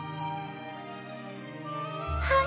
はい。